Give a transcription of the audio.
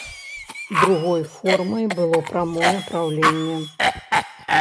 Другой формай было прамое праўленне.